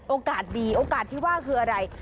โอกาสดีโอกาสที่ว่าคืออะไร